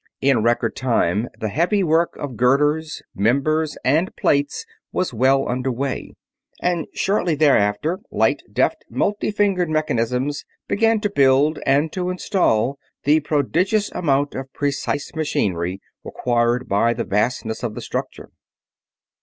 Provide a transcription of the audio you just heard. In record time the heavy work of girders, members, and plates was well under way; and shortly thereafter light, deft, multi fingered mechanisms began to build and to install the prodigious amount of precise machinery required by the vastness of the structure.